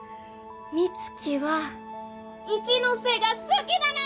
美月は一ノ瀬が好きなの！